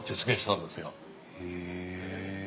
へえ！